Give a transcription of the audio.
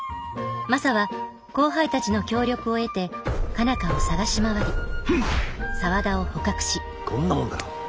マサは後輩たちの協力を得て佳奈花を捜し回り沢田を捕獲しこんなもんだろう。